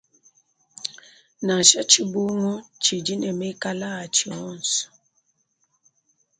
Nansa tshibungu tshidi ne mekala a tshi onso.